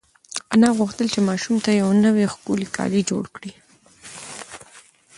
انا غوښتل چې ماشوم ته یو نوی او ښکلی کالي جوړ کړي.